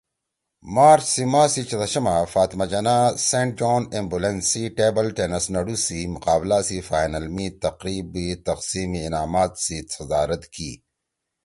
مارچ سی ماہ سی چتشما فاطمہ جناح سینٹ جان ایمبولنس سی ٹیبل ٹینس نڑُو سی مقابلہ سی فائنل می تقریب تقسیم انعامات سی صدارت کی